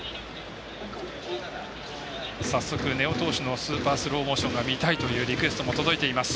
早速、根尾投手のスーパースローモーション映像が見たいというリクエストも届いています。